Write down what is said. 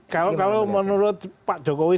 kalau menurut pak jokowi